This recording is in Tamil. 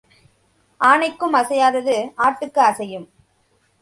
ஆனைக்கும் அசையாதது ஆட்டுக்கு அசையும்.